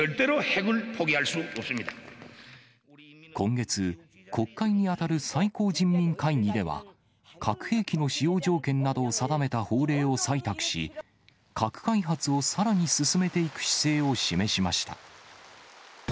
今月、国会に当たる最高人民会議では、核兵器の使用条件などを定めた法令を採択し、核開発をさらに進めていく姿勢を示しました。